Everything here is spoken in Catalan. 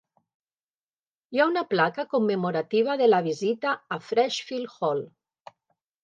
Hi ha una placa commemorativa de la visita a Freshfield Hall.